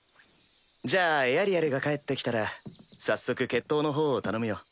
じゃあエアリアルが帰って来たら早速決闘の方を頼むよ。